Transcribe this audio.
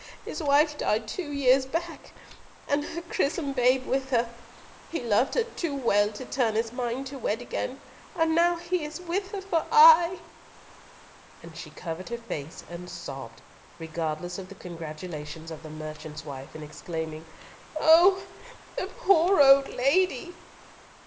"His wife died two years back, and her chrisom babe with her. He loved her too well to turn his mind to wed again, and now he is with her for aye." And she covered her face and sobbed, regardless of the congratulations of the merchant's wife, and exclaiming, "Oh! the poor old lady!"